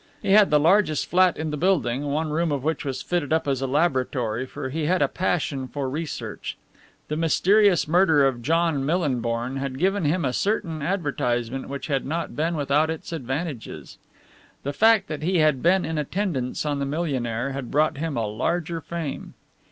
He had the largest flat in the building, one room of which was fitted up as a laboratory, for he had a passion for research. The mysterious murder of John Millinborn had given him a certain advertisement which had not been without its advantages. The fact that he had been in attendance on the millionaire had brought him a larger fame.